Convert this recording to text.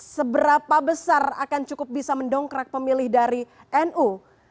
seberapa besar akan cukup bisa mendongkrak pemilih dari nu